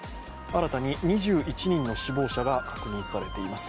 新たに２１人の死亡者が確認されています。